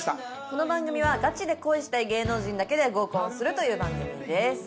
この番組はガチで恋したい芸能人だけで合コンをするという番組です。